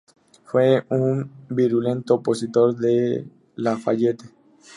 Fue un virulento opositor de La Fayette.